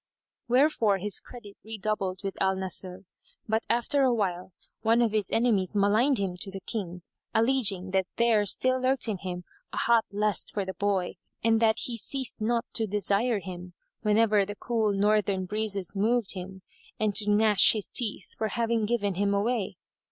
Wherefore his credit redoubled with al Nasir; but, after a while, one of his enemies maligned him to the King, alleging that there still lurked in him a hot lust for the boy and that he ceased not to desire him, whenever the cool northern breezes moved him, and to gnash his teeth for having given him away.